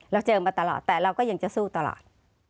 เราเจอมาตลอดแต่เราก็ยังจะสู้ตลอด